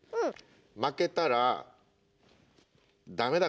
負けたらダメだからね。